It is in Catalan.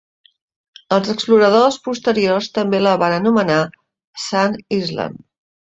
Els exploradors posteriors també la van anomenar "Sand Island".